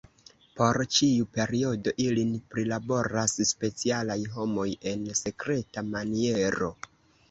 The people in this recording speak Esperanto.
Por ĉiu periodo ilin prilaboras specialaj homoj en sekreta maniero.